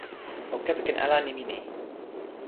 o kepeken ala nimi ni.